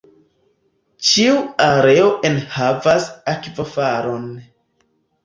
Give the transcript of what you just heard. Ĉiu areo enhavas akvofalon.